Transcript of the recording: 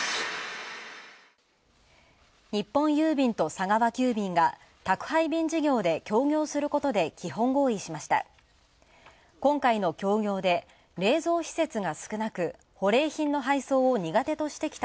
日本郵便と佐川急便が宅配便事業で協業することで基本合意しました。